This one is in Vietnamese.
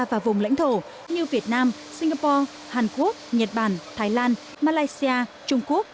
và vùng lãnh thổ như việt nam singapore hàn quốc nhật bản thái lan malaysia trung quốc